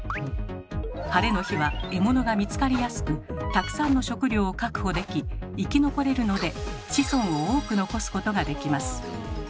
晴れの日は獲物が見つかりやすくたくさんの食料を確保でき生き残れるので子孫を多く残すことができます。